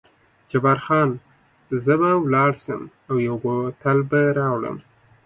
جبار خان: زه به ولاړ شم او یو بوتل به راوړم.